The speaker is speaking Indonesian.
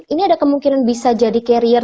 ini ada kemungkinan bisa jadi carrier